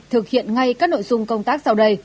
thực hiện ngay các nội dung công tác